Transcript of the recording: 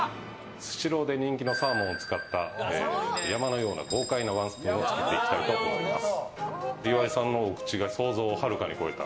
スシローで人気のサーモンを使った山のような豪快なワンスプーンを作っていきたいと思います。